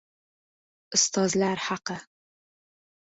Ustozlar haqi